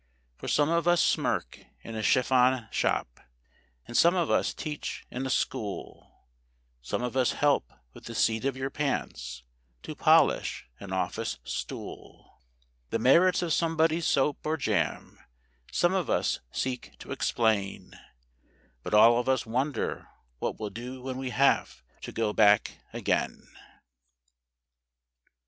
_For some of us smirk in a chiffon shop, and some of us teach in a school; Some of us help with the seat of our pants to polish an office stool; The merits of somebody's soap or jam some of us seek to explain, But all of us wonder what we'll do when we have to go back again.